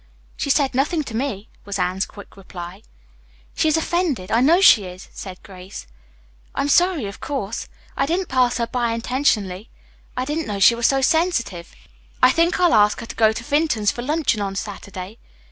"She said nothing to me," was Anne's quick reply. "She is offended, I know she is," said Grace. "I'm sorry, of course. I didn't pass her by intentionally. I didn't know she was so sensitive. I think I'll ask her to go to Vinton's for luncheon on Saturday."